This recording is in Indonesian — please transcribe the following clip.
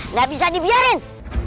nggak bisa dibiarin